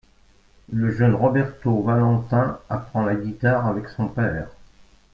Le jeune Roberto Valentin apprend la guitare avec son père.